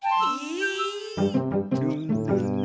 え！？